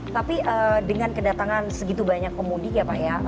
tapi dengan kedatangan segitu banyak pemudik ya pak ya